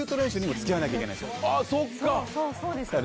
あそっか！